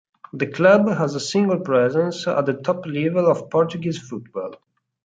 The club has a single presence at the top level of Portuguese football.